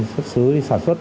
thuốc xứ đi sản xuất